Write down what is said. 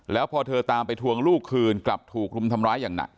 แล้วพอเธอตามไปทวงลูกคืนกลับถูกรุมทำร้ายอย่างหนัก